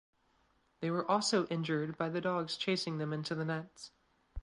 They were also injured by the dogs chasing them into the nets.